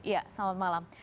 iya selamat malam